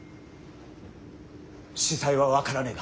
子細は分からねえが